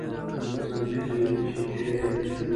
په ځنګله کي د چینجیو د میندلو